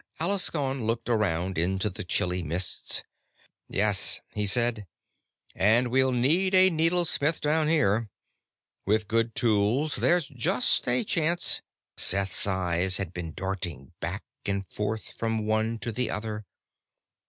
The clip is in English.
Alaskon looked around into the chilly mists. "Yes," he said. "And we'll need a needlesmith down here. With good tools, there's just a chance " Seth's eyes had been darting back and forth from one to the other.